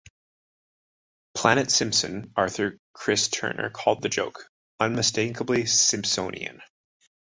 "Planet Simpson" author Chris Turner called the joke "unmistakably Simpsonian".